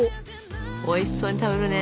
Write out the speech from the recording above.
おいしそうに食べるね。